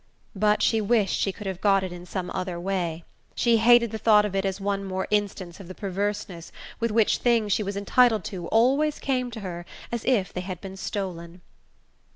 But she wished she could have got it in some other way she hated the thought of it as one more instance of the perverseness with which things she was entitled to always came to her as if they had been stolen.